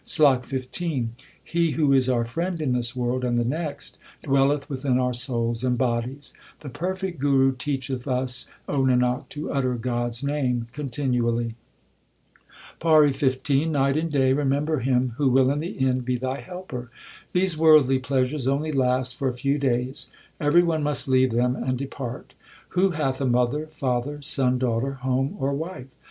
SLOK XV He who is our friend in this world and the next, dwelleth within our souls and bodies. 176 THE SIKH RELIGION The perfect Guru teacheth us, O Nanak, to utter God s Name continually. PAURI XV Night and day remember Him who will in the end be thy helper. These worldly pleasures only last for a few days ; every one must leave them and depart. Who hath a mother, father, son, daughter, Home, or wife